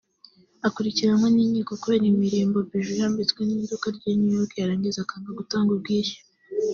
akurikiranwe n’inkiko kubera imirimbo(bijoux) yambitswe n’iduka ry’i New York yarangiza akanga gutanga ubwishyu